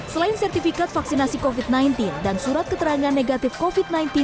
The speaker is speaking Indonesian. selain sertifikat vaksinasi covid sembilan belas dan surat keterangan negatif covid sembilan belas